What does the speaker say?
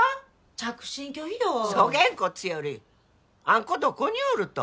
着信拒否よそげんこつよりあん子どこにおると？